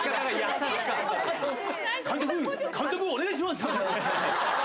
監督、監督お願いします。